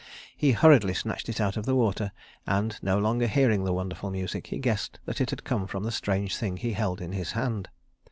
He hurriedly snatched it out of the water, and, no longer hearing the wonderful music, he guessed that it had come from the strange thing he held in his hand.